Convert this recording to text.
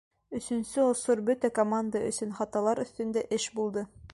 Өсөнсө осор бөтә команда өсөн хаталар өҫтөндә эш булды.